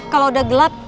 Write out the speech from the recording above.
kalau udah gelap